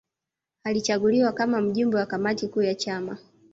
Alichaguliwa kama mjumbe wa kamati kuu ya chama